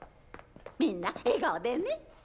みんな笑顔でね。